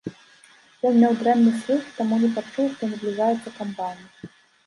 Ён меў дрэнны слых, таму не пачуў, што набліжаецца камбайн.